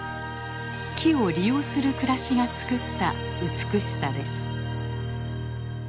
木を利用する暮らしがつくった美しさです。